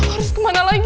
aduh cari kemana lagi